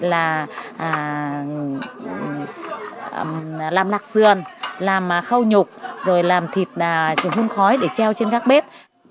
làm lạc sườn làm khâu nhục rồi làm thịt hương khói để treo trên các bếp